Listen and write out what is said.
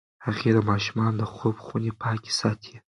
هغې د ماشومانو د خوب خونې پاکې ساتي.